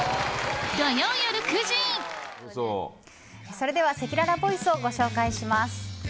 それでは、せきららボイスをご紹介します。